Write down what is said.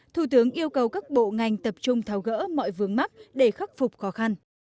thủ tướng yêu cầu các bộ ngành tập trung tháo gỡ mọi vướng mắt để khắc phục khó khăn